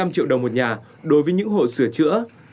một mươi năm triệu đồng một nhà đối với những hộ sửa chữa